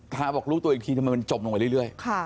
ทาบอกรู้ตัวอีกทีทำไมมันจมลงไปเรื่อย